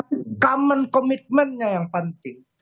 common commitmentnya yang penting